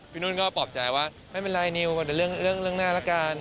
นุ่นก็ปลอบใจว่าไม่เป็นไรนิวเป็นเรื่องหน้าละกัน